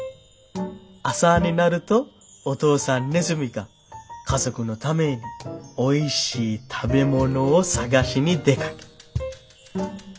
朝になるとお父さんネズミが家族のためにおいしい食べ物を探しに出かけ」。